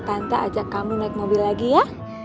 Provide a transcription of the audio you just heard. tante ajak kamu naik mobil lagi ya